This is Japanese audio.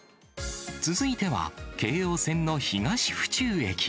続いては、京王線の東府中駅。